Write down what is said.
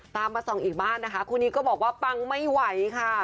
มาส่องอีกบ้านนะคะคู่นี้ก็บอกว่าปังไม่ไหวค่ะ